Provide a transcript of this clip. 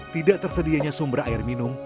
tidak tersedianya sumber air minum